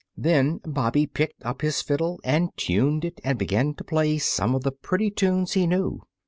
Then Bobby picked up his fiddle and tuned it and began to play some of the pretty tunes he knew.